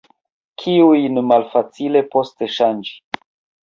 Kiujn malfacile poste ŝanĝi.